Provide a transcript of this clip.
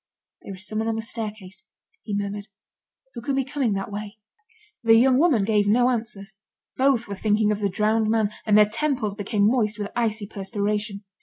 "There is someone on the staircase," he murmured. "Who can be coming that way?" The young woman gave no answer. Both were thinking of the drowned man, and their temples became moist with icy perspiration.